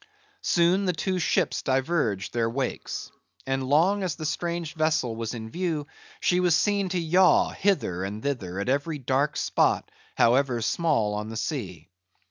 Soon the two ships diverged their wakes; and long as the strange vessel was in view, she was seen to yaw hither and thither at every dark spot, however small, on the sea.